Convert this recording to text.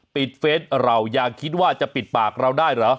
เฟสเรายังคิดว่าจะปิดปากเราได้เหรอ